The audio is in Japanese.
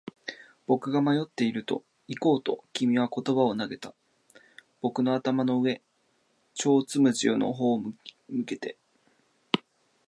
僕が迷っていると、行こうと君は言葉を投げた。僕の頭の上、ちょうどつむじの方に向けて。